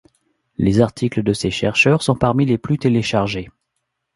Les articles de ses chercheurs sont parmi les plus téléchargés.